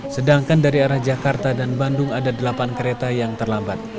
sedangkan dari arah jakarta dan bandung ada delapan kereta yang terlambat